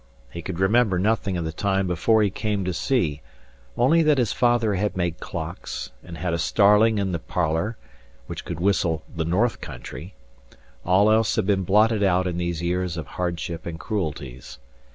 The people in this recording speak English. He could remember nothing of the time before he came to sea; only that his father had made clocks, and had a starling in the parlour, which could whistle "The North Countrie;" all else had been blotted out in these years of hardship and cruelties.